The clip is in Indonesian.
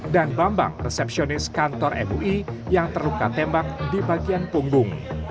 dan bambang resepsionis kantor mui yang terluka tembak di bagian punggung